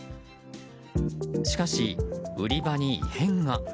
しかし、売り場に異変が。